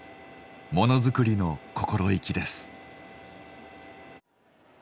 ものづくりの心意気です。